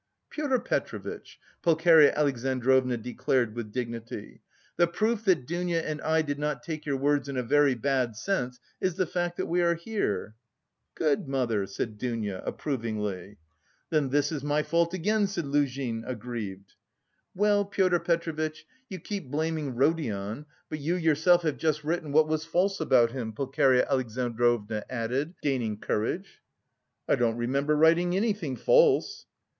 "Pyotr Petrovitch," Pulcheria Alexandrovna declared with dignity, "the proof that Dounia and I did not take your words in a very bad sense is the fact that we are here." "Good, mother," said Dounia approvingly. "Then this is my fault again," said Luzhin, aggrieved. "Well, Pyotr Petrovitch, you keep blaming Rodion, but you yourself have just written what was false about him," Pulcheria Alexandrovna added, gaining courage. "I don't remember writing anything false."